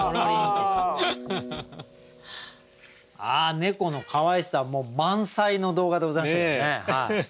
猫のかわいさ満載の動画でございましたけれどもね。